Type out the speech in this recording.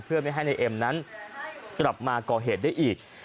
เพื่อไม่ให้นายเอ็มนั้นกลับมาก่อเหตุได้อีก